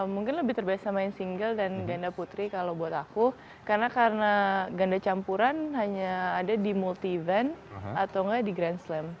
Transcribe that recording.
mungkin lebih terbiasa main single dan ganda putri kalau buat aku karena ganda campuran hanya ada di multi event atau nggak di grand slam